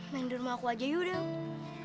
mandirin rumah aku aja yuk deh